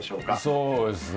そうですね。